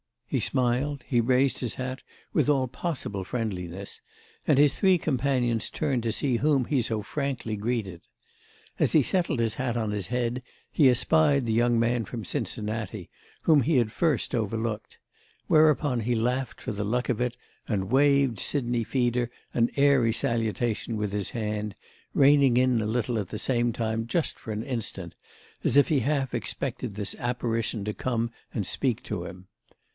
He smiled, he raised his hat with all possible friendliness, and his three companions turned to see whom he so frankly greeted. As he settled his hat on his head he espied the young man from Cincinnati, whom he had at first overlooked; whereupon he laughed for the luck of it and waved Sidney Feeder an airy salutation with his hand, reining in a little at the same time just for an instant, as if he half expected this apparition to come and speak to him.